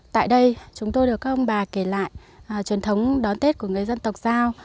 tại đây chúng tôi được các ông bà kể lại truyền thống đón tết của người dân tộc giao